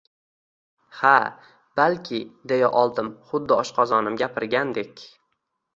Ha, balki, deya oldim xuddi oshqozonim gapirgandek